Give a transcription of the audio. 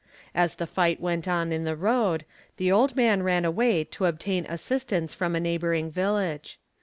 As the fight went on in the road, he old man ran away to obtain assistance from a neighbouring village.